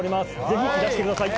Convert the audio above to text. ぜひいらしてください